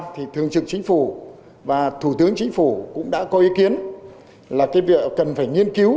thì thường trực chính phủ và thủ tướng chính phủ cũng đã có ý kiến là cái việc cần phải nghiên cứu